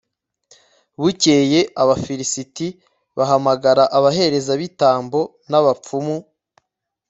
bukeye, abafilisiti bahamagara abaherezabitambo n'abapfumu